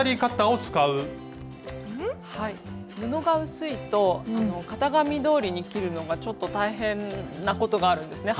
布が薄いと型紙どおりに切るのがちょっと大変なことがあるんですね。